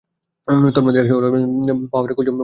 তন্মধ্যে একটি হলো, বাহরে কুলযুম বা লোহিত সাগর।